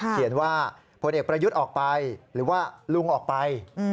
เขียนว่าพลเอกประยุทธ์ออกไปหรือว่าลุงออกไป